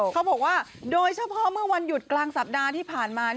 เขาบอกว่าโดยเฉพาะเมื่อวันหยุดกลางสัปดาห์ที่ผ่านมา